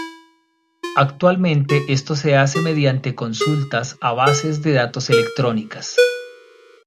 Actualmente esto se hace mediante consultas a bases de datos electrónicas.